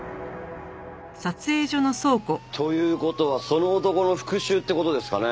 という事はその男の復讐って事ですかね？